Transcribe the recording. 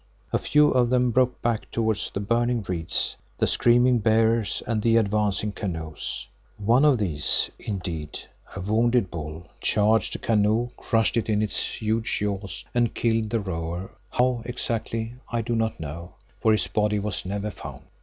A few of them broke back towards the burning reeds, the screaming beaters and the advancing canoes. One of these, indeed, a wounded bull, charged a canoe, crushed it in its huge jaws and killed the rower, how exactly I do not know, for his body was never found.